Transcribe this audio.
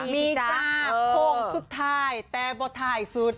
มีจ้าโค้งสุดท้ายแต่บ่ถ่ายสุด